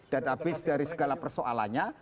database dari segala persoalannya